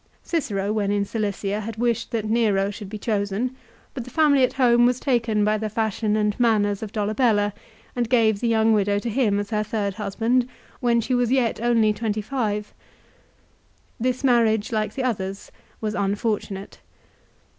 Cicero when in Cicilia had wished that Nero should be chosen; but the family at home was taken by the fashion and manners of Dolabella, and gave the young widow to him as her third husband, when she was yet only twenty five. This marriage like the others was unfortunate.